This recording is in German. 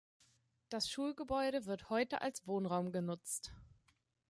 Das Schulgebäude wird heute als Wohnraum genutzt.